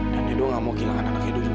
dan edo tidak mau kehilangan anak edo juga